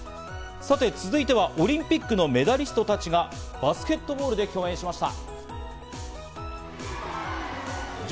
続いてはオリンピックのメダリストたちがバスケットボールで共演しました。